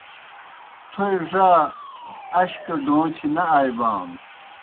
تھوئے ڙا اش گہ ڈون٘چھیْ نہ آئیبانو۔